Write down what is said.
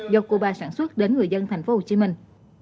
do cuba sản xuất đến người dân thành phố hồ chí minh